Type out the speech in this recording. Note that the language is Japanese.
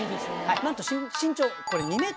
なんと身長。